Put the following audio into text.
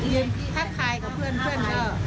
ยืนทักทายกับเพื่อน